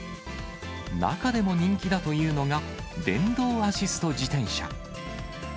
中でも人気だというのが、電動アシスト自転車。